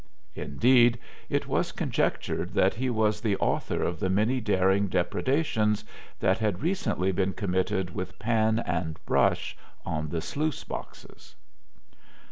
Indeed, it was conjectured that he was the author of the many daring depredations that had recently been committed with pan and brush on the sluice boxes.